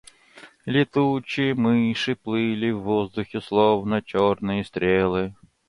Летучие мыши плыли в воздухе, словно черные стрелы.